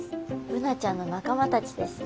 ブナちゃんの仲間たちですね。